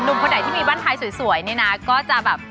นุ่มคนไหนที่มีบ้านท้ายสวยนี่นะก็จะแบบ